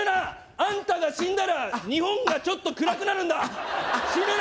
あんたが死んだら日本がちょっと暗くなるんだ死ぬな！